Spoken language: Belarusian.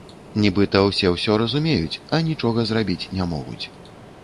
Нібыта ўсе ўсё разумеюць, а нічога зрабіць не могуць.